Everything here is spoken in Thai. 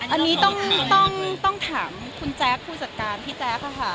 อันนี้ต้องถามคุณแจ๊คผู้จัดการพี่แจ๊คค่ะ